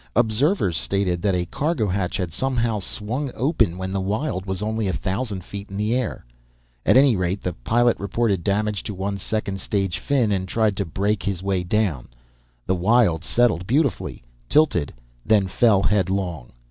Observers stated that a cargo hatch had somehow swung open when the Wyld was only a thousand feet in the air. At any rate, the pilot reported damage to one second stage fin and tried to brake his way down. The Wyld settled beautifully, tilted, then fell headlong.